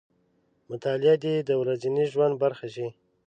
مطالعه دې د ورځني ژوند برخه شي.